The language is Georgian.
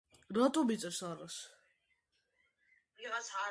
მექანიკის ძირითადი ამოცანაა სხეულის მდებარეობის განსაზღვრა დროის ნებისმიერ მომენტში.